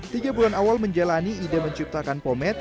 tiga bulan awal menjalani ide menciptakan pomed